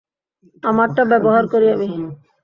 আমারটা ব্যবহার করি আমি।